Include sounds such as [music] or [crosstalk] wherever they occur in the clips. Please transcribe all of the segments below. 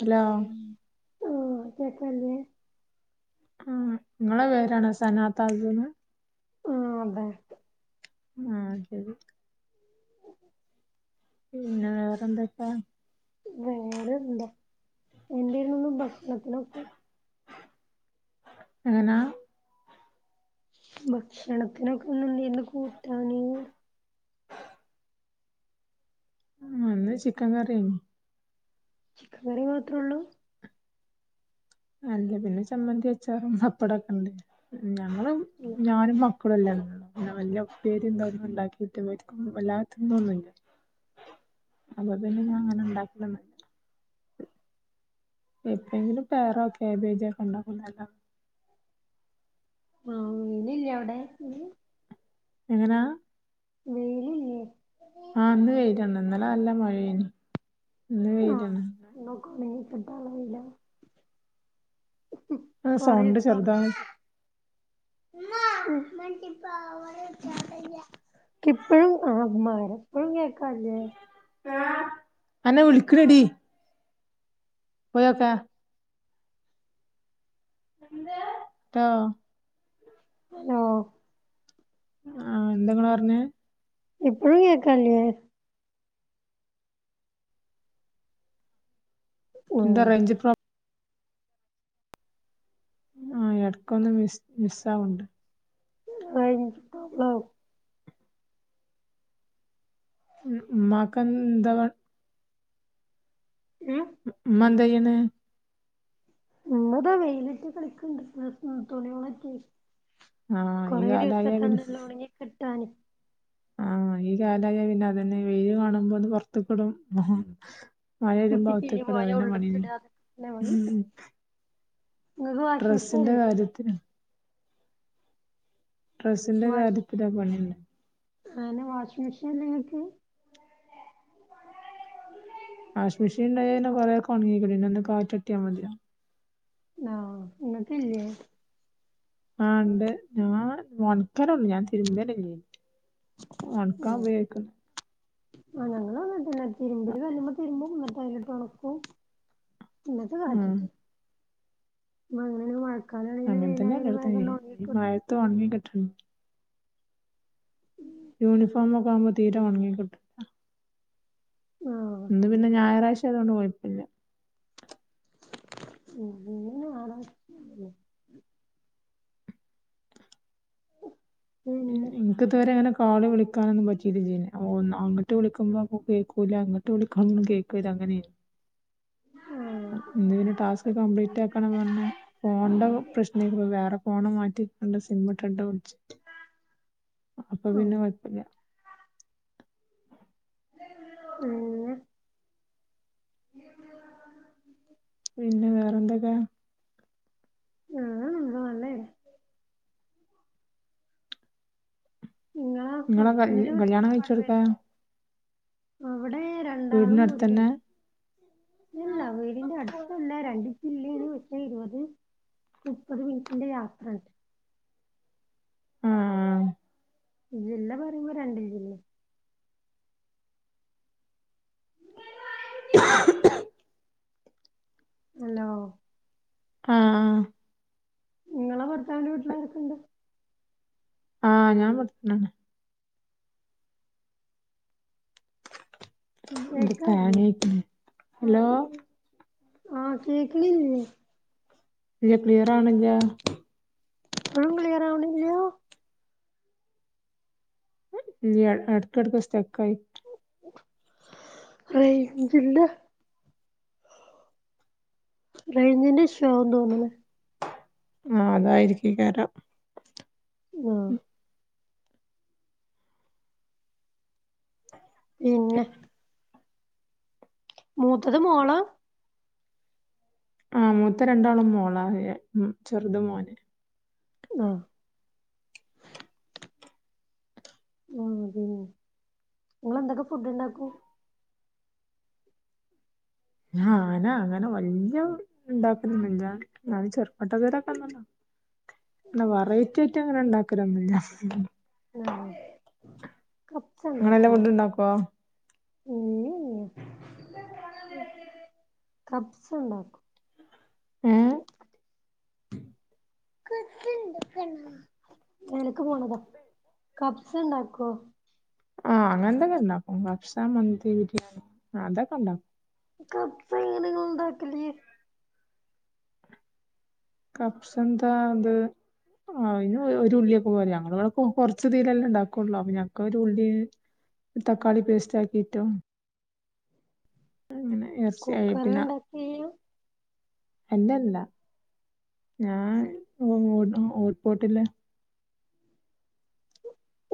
Hello ഉം ഓ ചക്കല്ലേ ആഹ് ഇങ്ങളെ പേരാണോ സനാത്താജന്ന് ആഹ് അതെ ആ ശരി പിന്നെ വേറെന്തെക്കാ? വേറെ എന്താ? എന്തേരുന്നു ഭക്ഷണത്തിനൊക്കെ? എങ്ങനാ? ഭക്ഷണത്തിനൊക്കെ ഇന്ന് എന്തെര്ന്നു കൂട്ടാന്? ഹ് [inaudible] ഉം ഇന്ന് ചിക്കൻ കറിയാര്ന്നു. കറി മാത്രേള്ളൂ അല്ല പിന്നെ ചമ്മന്തി അച്ചാറും പപ്പടൊക്കെണ്ട് ഞങ്ങള് ഞാനും മക്ക നല്ല ഉപ്പേരിം തൊന്നും ണ്ടാക്കിയിട്ട് ഇവർക് വല്ലാത്തിന്നൊന്നുല്ല്യ അപ്പൊ പിന്നങ്ങനടാക്ക എപ്പഴെങ്കിലും പയറോ കേബേജൊക്കെണ്ടാക്കുന്നല്ല ആഹ വിനുല്ല്യേ അവിടെ എങ്ങനെ വെയ്ല് ല്ലേ ആഹ് ഇന്ന് വെയിലെന്ന് ഇന്നലെ നല്ല മഴേനി ഇന്ന് വെയിലെന്ന് ക്കണ സട്ടാല വല്ല [inaudible] ആ കൊറേ സൗണ്ട് സ [inaudible] ചെറുതായി മ്മാ മണ്ടിപ്പോ ഇവടെ സ്ഥലല്ല്യ ഇപ്പഴും ആ ഇപ്പഴും കേക്കാല്ലേ അനെ വിളിക്കണടി പോയക്കെ ആ ഹലോ ആഹ എന്തെങ്ങാ പറഞ്ഞത് ഇപ്പളും കേക്കല്ല്യെ എന്ത ആഹ് റേഞ്ച് പ്ര ആ ഇടക്കൊന്ന് മിസ് മിസ്സ ആവണ്ട് അഞ്ച് [inaudible] മാക്കന്തവ ഏ മന്തയാണ് നിങ്ങതാ വെയിലിറ്റെ കളിക്കണ്ട തുണികളക്കെ ആഹ് ഈ കൊറെ കാലായ ദിവസത്ത ഉണ്ടല്ലോ ഉണങ്ങി കിട്ടാന് ആഹ ഈ കാലായ പിന്നെ അതന്നെ വെയില് കാണുമ്പോ ഒന്ന് പുറത്ത കിടും മഴെ യ്യുമ്പം ഔ ഇനി ത്ത്ക്ക് ടാ പോയ അതന്നെ പണി ഉള്ള്ക്ക് ഇടാ അതൊക്കെ പണി ഇങ്ങക്ക് വാഷിംഗ് മെഷീൻ ഡ്രസ്സിന്റെ ഇല്ലേ കാര്യത്തിന് ഡ്രസ്സിന്റെ വാഷ് കാര്യത്തി പണിണ്ട് അങ്ങനെ വാഷിംഗ മെഷീല്ലെ ങ്ങക്ക് വാഷ് മെഷീൻ ഉണ്ടെ കൊറെണങ്ങി പിന്ന ഒന്ന് കാറ്റട്ടിയാ മതി ആഹ ങക്ക്ല്ലേ ആ ഉണ്ട് ഞാ ഒണക്കലേള്ളു ഞാൻ തിരുമ്പലല്ലേ ഒൺ ക്കാ ൻ ഉപയോ ക്കും അങ്ങനൊന്നും വന്നിടില്ല തിരുമ്പല്കല്ല് മ്മല് തിരുമ്പും ന്നിട്ട് അയില്ട്ട് ഒണക്കും മഴ [unintelligible] ഉം കറി ആണെങ്കിലും മീനാണെങ്കിലും വേഗം നോക്കിക്കോ ത്തു ഒൺങ്ങിക്കിട്ട്ണ് ല്യ ഉം യൂണിഫോമൊക്കെ ആകുമ്പംതീരെ ഒണങ്ങിക്കിട്ടു ആഹ് ഇന്ന് പിന്നെ ഞായറാഴ്ച ആയതോണ്ട് കൊയപ്പല്യ [unintelligible] ഉം പിന്നെ ഉം അക്കത്തവരെ അങ്ങനെ കാൾള് വിളിക്കാനൊ പറ്റിയി് ചെയ്യില്ല ഒന്ന്ങ്ങോട്ട് വിളിക്കുമ്പോൾ അപ്പോൾ കേൾക്കൂല്ല അങ്ങോട്ട് [unintelligible] ആഹ് ഇന്ന് പിന്നെ ടാസ്ക് കംപ്ലീറ്റ് ആക്കണംന്ന് പറഞ്ഞെ ഫോണിന്റെ പ്രശ്നക്കുംപ്പം വേറെ ഫോണ് മാറ്റി നല്ല സി മെമക്കെട്ട കുടിച്ച അപ്പൊ ആഹ് പിന്നെ കുഴപ്പില്ല പിന്നെ ഉ പിന്നെ വേറെന്തൊക്കെ [unintelligible] അല്ലേ കല്യ- നിങ്ങളെ [unintelligible] കല്യാണം ഒരു കഴിച്ചു പാട് കൊടുക്കാ പേര് അവടെ രണ്ടാളും വീടിനടുത്ത് തന്നെ ഒരുപണി ഇല്ല വീടിന്റെ അട്ത്തല്ല രണ്ട് [unintelligible] മുപ്പത് മിനിറ്റിന്റെ യാത്രണ്ട് ആ ജില്ല പറയുമ്പോ രണ്ട് ജില്ല [inaudible] ഹലോ ആഹ് ഇങ്ങളെ ഭർത്താവിന്റെ വീട്ടിലാരെക്കെണ്ട് ആഹ് ഞാൻ [unintelligible] കേക്കാല്ലേ [unintelligible] ഹലോ ആഹ് കേക്ക്ണ്ല്ലേ ഇല്ല ക്ലിയർ ആ വണില്ല ഇപ്പളും ക്ലിയർ ആവുന്നില്ലാ ഇല്ല്യ എട്ക്കട്ക്ക് സ്റ്റക്കായി റെയ്ഞ്ചില്ല റയ്ഞ്ചിൻ്റെ ഇഷ്യു ആണ് തോന്ന്ണ് ആഹ് അതായിരിക്കാകേരം ആഹ് പിന്നെ മൂത്തത് മോളാ ആ മൂത്ത രണ്ടാളും മോളാ ഉം ചെറ്ത് മോന് ആഹ് [unintelligible] നിങ്ങളെന്തൊക്കെ ഫുഡ് ഉണ്ടാക്കും ആഹ് അനാ അങ്ങനെ വല്ല്യ ഉണ്ടാക്കലൊന്നുല്ല അത് ചെറുപ്പട്ടക്കരൊക്കണല്ലോ എന്ന വെറൈറ്റിയായിട്ട് ഉണ്ടാക്കു ലെ അങ്ങനെ മീന് ആഹ് നിങ്ങളെല്ലാം കപ്സണ്ടാക്കോ ഫുഡ് ഉണ്ടാക്കുവോ [unintelligible] ഉം കപ്സ് ഉണ്ടാക്ക ഏഹ് [unintelligible] പോണതാ കപ്സണ്ടാക്കോ ആഹ് അങ്ങനെത്തെക്കെ ഉണ്ടാക്കും ഭക്ഷണം മന്തി ബിരിയാണി അതൊക്കെ ഉണ്ടാക്കും കപ്സ എങ്ങനേണ് ഇങ്ങള് ണ്ടാക്കലേ കപ്സ് എന്താ അത് അയിന് ഒരു ഉള്ളിയൊക്കെ പോരെ ഞങ്ങള് ഇവിടെ കൊറച്ച് തീലല്ലാംണ്ടാക്കുള്ളൂ ഞങ്ങക്ക ഒരു ഉള്ളി തക്കാളി പേസ്റ്റ് ആക്കിയിട്ടും അങ്ങനെ എർച്ചി ആയ കുക്കറിൽ പിന്നെ ഉണ്ടാക്കിയ അല്ലല്ല ഞാൻ [unintelligible] ഹോട്ട്പോർട്ടില്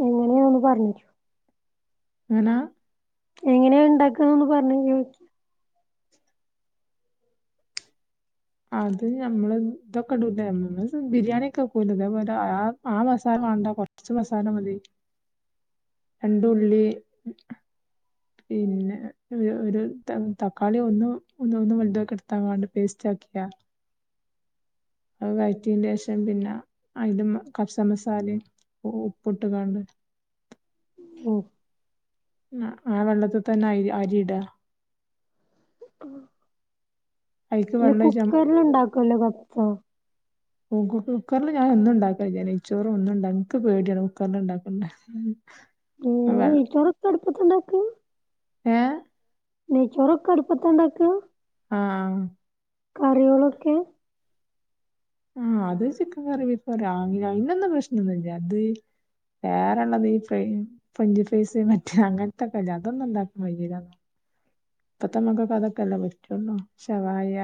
എങ്ങനെയാ ഒന്ന് പറഞ്ഞരോ എനാ എങ്ങനെയാ ഉണ്ടാക്കന്ന് പറഞ്ഞ അത് നമ്മള് ഇതൊക്കെ ഇടുലമ്മ ബിരിയാണി ഒക്കെ വെക്കൂലെ ഇതേപോലെ ആ ആ മസാല മാണ്ട ർച്ച് മസാല മതി. രണ്ട് ഉള്ളീ പിന്നെ ഒ ഒരു ത തക്കാളി ഒന്നും ഒന്ന് ഒന്നും വൽതാക്കി എടുത്താൻ വാണ്ടി പേസ്റ്റാക്കി [unintelligible] അത് വയറ്റീന്റെ ശേഷം പിന്നെ അയ്ൻ്റെ കപ്സ മസാലേം ഓ ഉപ്പ്ട്ട് കാണ്ട് ഓഹ് ആ ആ വെള്ളത്തിൽ തന്നെ അരി അരിടാ [unintelligible] അതിക്ക് അല്ല വെള്ളം കുക്കറിലു ഉണ്ടാക്കുല്ലെ കപ്സ കുക്കറിൽ ഞാൻ ഒന്നു ഉണ്ടാക്കല് ല്ല നെയ്യ്ച്ചോറും ഒന്നുണ്ട ഇന്ക്ക് പേടിയാണ് കുക്കറിൽ ഉണ്ടാക്കണ്ട ഉം ഓഹ് നെയ്ചോറെക്കെ അടുപ്പത്തുണ്ടാക്ക? ഏഹ് നെയ്ചോറൊക്കെ അടുപ്പത്താണ്ടാക്ക? ആഹ് കറികളൊക്കെ ആഹ് അത് ചിക്കൻ കറി [unintelligible] രാവിലെ അയ്നൊന്നും പ്രശ്നൊന്നുല്ല അത് വേറെള്ളത് ഈ ഫ്രെ പഞ്ച്പൈസ് മറ്റേ അങ്ങനത്തൊക്കെല്ല അതൊന്നും ഉണ്ടാക്കാകയ്യൂല്ല ഇപ്പത്തെമക്കക്ക് അതൊക്കെല്ല പറ്റുള്ളൂ ശവായ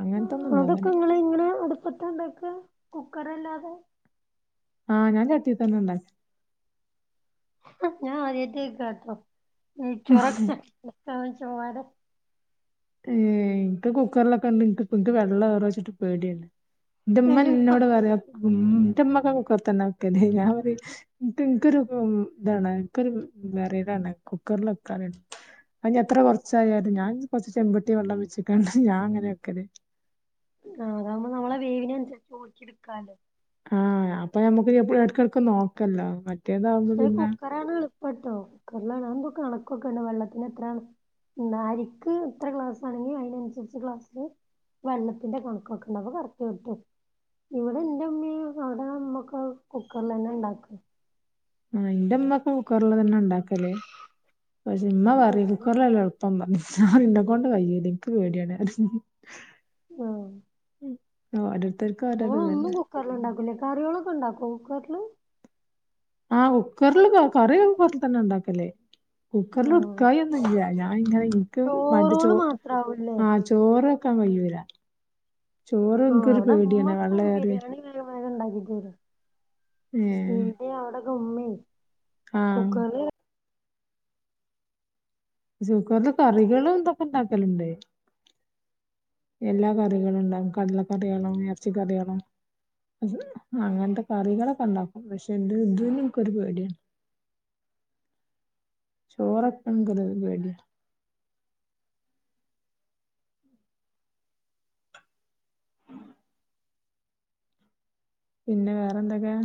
അങ്ങനത്തൊന്നും അതൊക്കെ ഉണ്ടാക്കണ്ട ഇങ്ങള് ഇങ്ങനെ അടുപ്പത്താണ്ടാക്ക? കുക്കർ അല്ലാതെ ആഹ് ഞാൻ ചട്ടീ തന്നെ ഉണ്ടാക്കി ഞാൻ ആദ്യായിട്ട്ക്കാട്ടോ നെയ്ച്ചോറെക്കെ ഏഹ് ഇന്ക്ക് കുക്കറിലൊക്കെ ഉണ്ട് ഇന്ക്ക് വെള്ള റോ വച്ചിട്ട് പേടിയാണ്. ന്റു ഉമ്മ അങ്ങനിപ്പ എന്നോട് പറയ് ന്റുമ്മക്കെ കുക്കറിതന്നെ വെക്കല് ഞാൻ പറിം ഇന്ക്ക്ഇന്ക്കെരു ഇതാണ് ഇന്ക്കൊരു വെറിലാണ് കുക്കറിലൊക്കാന് അത് ഞ് എത്ര കൊറച്ചായാലും ഞാൻ കൊറച്ച് ചെമ്പട്ടി വെള്ളം വെച്ച്ക്കാണ്ട് ഞാൻ അങ്ങനവെക്കല്. ആഹ് അതാവുമ്പോ നമ്മളെ വേവിനനുസരിച്ച് ഊറ്റിട്ക്കാല്ലൊ. ആഹ് അപ്പ ഞമക്ക് എ എടക്കെടക്ക് നോക്കല്ലേ മറ്റേതാവുമ്പൊ പിന്നെ എളുപ്പാട്ടോ [unintelligible] കണക്കൊക്കെണ്ട് വെള്ളത്തിന് എത്ര നാഴിക്ക് ഇത്ര ഗ്ലാസാണെങ്കി അയിനനുസരിച്ച് ഗ്ലാസില് വെള്ളത്തിന്റെ കണക്കൊക്കെണ്ട് അപ്പം കറക്ട്ട് കിട്ടും. ഇവിടെ എന്റെ ഉമ്മീം അവിടെ അമ്മക്കെ കുക്കറ്ലന്നെ ഉണ്ടാക്ക ആഹ് എന്റുമ്മക്കും കുക്കറിലന്നെ ഉണ്ടാക്കല് പക്ഷേ മ്മ പറയും കുക്കറിലല്ലേ എളു [unintelligible] ഇന്നെക്കൊണ്ട് വയ്യ നിക്ക് പേടിയാണറിയും ആഹ് ഉം ഓരോര്ത്തർക്കു ഒരേത് തല്ലേ കരളുണ്ടാക്കൂല്ലേ കറികളൊക്കെ ഇണ്ടാക്കോ കുക്കറ്ല് ആഹ് കുക്കറില് കറി ഒക്കെ പോലെതന്നെ ഉണ്ടാക്കല് കുക്കറിൽ ആഹ് ഉടുക്കായിയൊന്നില്ല ല്ല ഞാൻ ഇങ്ങനെ എനിക്ക് മറ്റ ചോ ചോറോള് മാത്രാവൂല്ലേ ആഹ് ചോറൊക്കാൻ കയ്യൂല്ല ചോറ് ആഹ് ഇന്ക്കൊരു അവിടെ പേടിയാണ് ഇമ്മൊക്കെ വെള്ളറിയ ബിരിയാണി വേഗം വേഗം ഇണ്ടാക്കികുട് ഏഹ് ഈടെ അവിടെക്കുമ്മിം ആഹ് സുക്കറില് കറികളും ഇന്തൊക്കെ ഉണ്ടാക്കലുണ്ട് എല്ലാ കറികളുണ്ടാവും കടലക്കറികളും എറച്ചികറികളും അങ്ങനത്തെ കറികളൊക്കണ്ടാക്കും പക്ഷെ ദ് ഇതിനിക്കൊരു പേടിയാ ചോറെക്കാൻ ഇന്ക്കൊരുപേടിയ പിന്നെ വേറെന്തെക്കെ